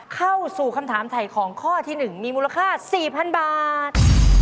เข้าสู่คำถามถ่ายของข้อที่๑มีมูลค่า๔๐๐๐บาท